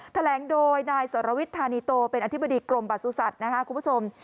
แถลงโดยนายสรวิทธานีโตเป็นอธิบดีกรมประสุทธิ์นะครับคุณผู้ชม